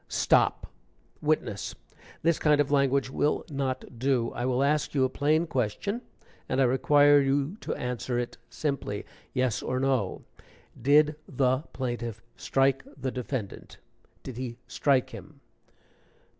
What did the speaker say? "Stop! Witness, this kind of language will not do. I will ask you a plain question, and I require you to answer it simply, yes or no. Did the plaintiff strike the defendant? Did he strike him?"